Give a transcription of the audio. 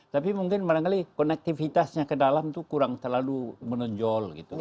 tapi mungkin kadang kadang konektivitasnya ke dalam itu kurang terlalu menonjol